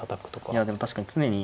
いやでも確かに常に。